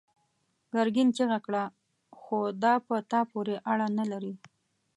ګرګين چيغه کړه: خو دا په تا پورې اړه نه لري!